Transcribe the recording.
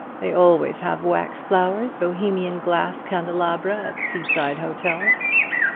They always have wax flowers and Bohemian glass candelabra at sea side hotels.